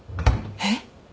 えっ？